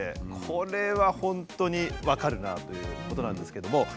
これは本当に分かるなあということなんですけども。